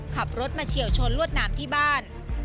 ขับรถมาเฉียวชนลวดหนามที่บ้าน